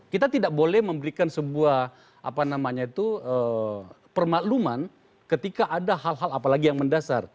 kita tidak boleh memberikan sebuah permakluman ketika ada hal hal apalagi yang mendasar